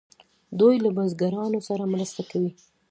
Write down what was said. دوی له بزګرانو سره مرسته کوي.